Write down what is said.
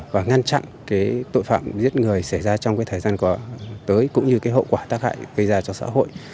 và ngăn chặn tội phạm giết người xảy ra trong thời gian tới cũng như hậu quả tác hại gây ra cho xã hội